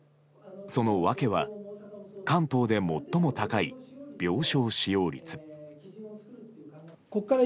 その訳は関東で最も高い病床使用率。